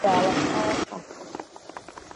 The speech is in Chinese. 主要研究是在高能天文学方面。